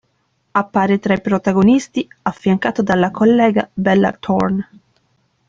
Appare tra i protagonisti affiancato dalla collega Bella Thorne.